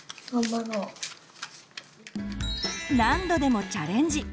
何度でもチャレンジ。